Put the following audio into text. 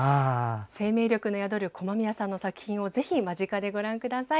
生命力の宿る駒宮さんの作品をぜひ間近でご覧ください。